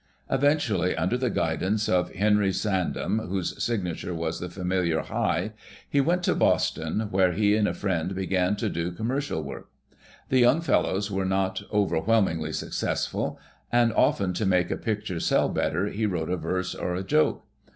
Eventually under the guidance of Henry Sand ham, whose signature was the familiar "Hy," he went to Bos ton, where he and a friend began to do commercial work. The young fellows were not over whelmingly successful and often to make a picture sell better he wrote a verse or a joke.